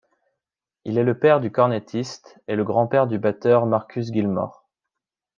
Il est le père du cornettiste et le grand-père du batteur Marcus Gilmore.